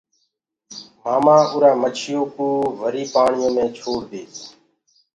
مآمآ اُرآ مڇيو ڪوُ وري پآڻيو مي ڇوڙ ديس۔